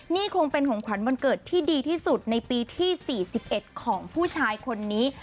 นี่คงเป็นของขวัญวันเกิดที่ดีที่สุดในปีที่๔๑ของผู้ชายคนนี้